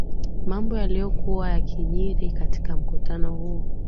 mambo yaliyokuwa yakijiri katika mkutano huo